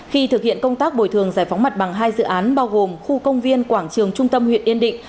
khi thực hiện công tác bồi thường giải phóng mặt bằng hai dự án bao gồm khu công viên quảng trường trung tâm huyện yên định